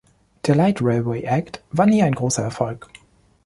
Der "Light Railway Act" war nie ein großer Erfolg.